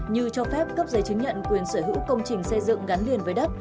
như cho phép cấp giấy chứng nhận quyền sở hữu công trình xây dựng gắn liền với đất